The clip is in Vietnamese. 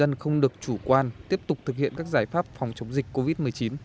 nhân dân không được chủ quan tiếp tục thực hiện các giải pháp phòng chống dịch covid một mươi chín